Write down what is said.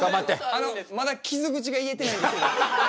あのまだ傷口が癒えてないんですけど。